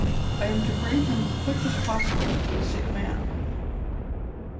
I am to bring him quick as possible to the sick man."